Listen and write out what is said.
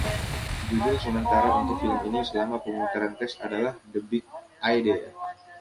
Judul sementara untuk film ini selama pemutaran tes adalah "The Big Idea".